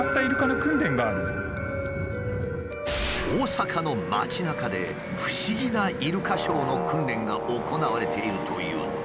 大阪の街なかで不思議なイルカショーの訓練が行われているというのだ。